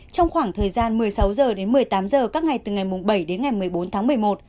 trong khoảng thời gian một mươi sáu h đến một mươi tám h các ngày từ ngày bảy đến ngày một mươi bốn tháng một mươi một